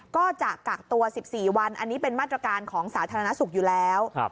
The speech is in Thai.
ก็จะกักตัว๑๔วันอันนี้เป็นมาตรการของสาธารณสุขอยู่แล้ว